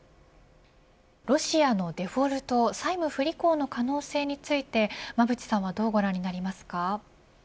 ロシアのデフォルト債務不履行の可能性について馬渕さんはどうご覧になりますか。